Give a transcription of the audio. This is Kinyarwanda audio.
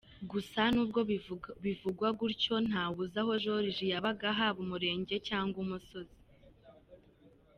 Gusa nubwo bivugwa gutyo, ntawe uzi aho Joriji yabaga haba Umurenge cyangwa umusozi.